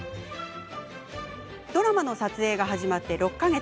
ドラマの撮影が始まって６か月。